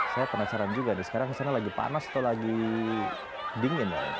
saya penasaran juga nih sekarang kesana lagi panas atau lagi dingin ya